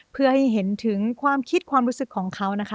เพื่อให้เห็นถึงความคิดความรู้สึกของเขานะคะ